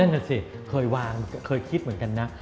น่ะสิเคยวางเคยคิดเหมือนกันนะ